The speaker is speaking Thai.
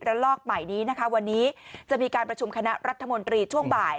ลอกใหม่นี้นะคะวันนี้จะมีการประชุมคณะรัฐมนตรีช่วงบ่าย